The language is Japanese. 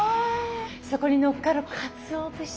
そこにのっかるかつお節。